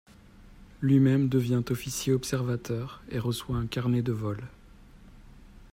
Lui-même devient officier observateur et reçoit un carnet de vol.